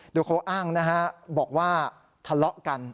โดยเขาอ้างนะฮะบอกว่าทะเลาะกัน